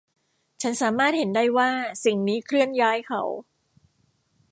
ฉันสามารถเห็นได้ว่าสิ่งนี้เคลื่อนย้ายเขา